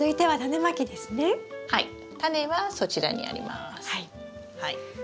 はい。